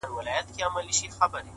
کارخانې پکښی بنا د علم و فن شي!